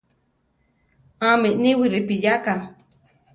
¿Ámi niwi ripiyáka?